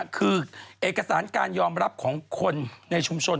คือเอกสารการยอมรับของคนในชุมชน